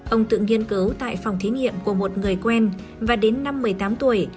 ông tự nghiên cứu tại phòng thí nghiệm của một người quen và đến năm một mươi tám tuổi